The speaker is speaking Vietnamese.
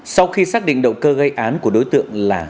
sau khi xác định động cơ gây án của đối tượng là